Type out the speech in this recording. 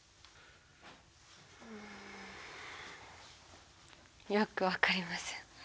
うんよく分かりません。